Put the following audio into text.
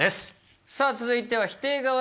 さあ続いては否定側質疑です。